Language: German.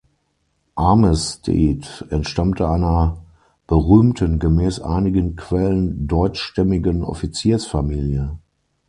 Armistead entstammte einer berühmten, gemäß einigen Quellen deutschstämmigen Offiziersfamilie.